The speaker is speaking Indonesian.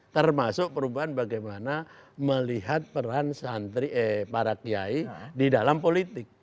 termasuk perubahan bagaimana melihat peran para kiai di dalam politik